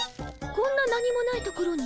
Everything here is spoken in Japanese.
こんな何もない所に？